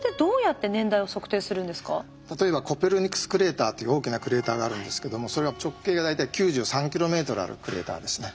例えばコペルニクスクレーターという大きなクレーターがあるんですけどもそれは直径が大体９３ｋｍあるクレーターですね。